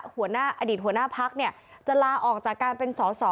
หัวหน้าอดีตหัวหน้าพักจะลาออกจากการเป็นสอสอ